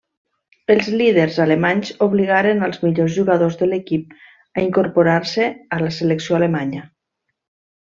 Els líders alemanys obligaren als millors jugadors de l'equip a incorporar-se a la selecció alemanya.